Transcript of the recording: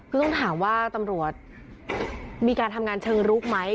คือต้องถามว่าตำรวจมีการทำงานเชิงลุกไหม